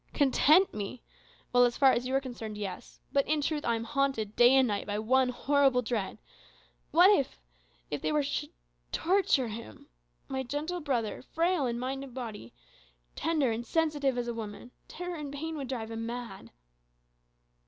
"Content me? Well, as far as you are concerned, yes. But, in truth, I am haunted day and night by one horrible dread. What if if they should torture him? My gentle brother, frail in mind and body, tender and sensitive as a woman! Terror and pain would drive him mad."